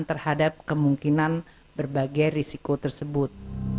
terhadap kemungkinan berbagai risiko tersebut